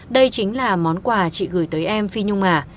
đây chính là món quà chị gửi tới em phi nhung hà